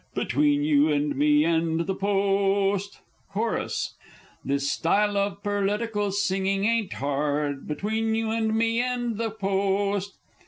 _ Between you and me and the Post! (Chorus.) This style of perlitical singing ain't hard, Between you and me and the Post!